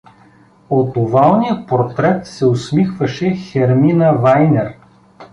От овалния портрет се усмихваше Хермина Вайнер.